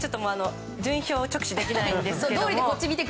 順位表を直視できないんですが。